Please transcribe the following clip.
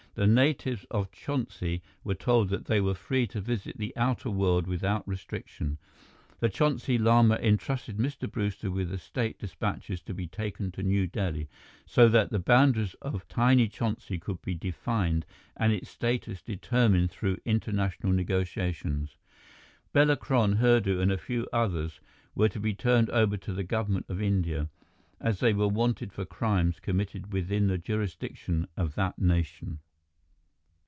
The natives of Chonsi were told that they were free to visit the outer world without restriction. The Chonsi Lama entrusted Mr. Brewster with state despatches to be taken to New Delhi, so that the boundaries of tiny Chonsi could be defined and its status determined through international negotiations. Bela Kron, Hurdu, and a few others were to be turned over to the government of India, as they were wanted for crimes committed within the jurisdiction of that nation.